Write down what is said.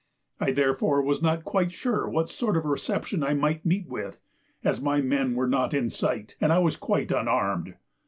I therefore was not quite sure what sort of reception I might meet with, as my men were not in sight and I was quite unarmed.